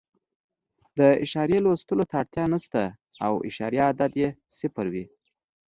د اعشاریې لوستلو ته اړتیا نه شته او اعشاریه عدد یې صفر وي.